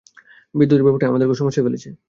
বিদ্যুতের ব্যাপারটা আমাদেরকেও সমস্যায় ফেলেছে।